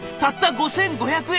５，５００円？